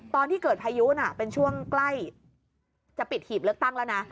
ตอนที่เกิดพายุน่ะเป็นช่วงใกล้จะปิดหีบเลือกตั้งแล้วนะ